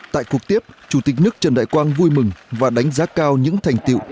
tại cuộc tiếp chủ tịch nước trần đại quang vui mừng và đánh giá cao những thành tiệu